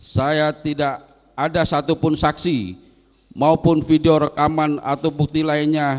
saya tidak ada satupun saksi maupun video rekaman atau bukti lainnya